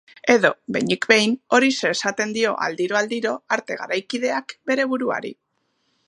Edo, behinik behin, horixe esaten dio aldiro-aldiro arte garaikideak bere buruari.